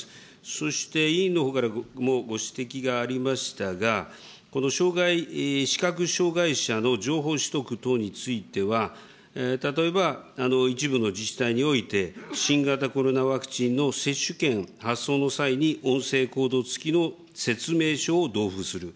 そして委員のほうからもご指摘がありましたが、この障害、視覚障害者の情報取得等については、例えば一部の自治体において、新型コロナワクチンの接種券発送の際に音声コードつきの説明書を同封する。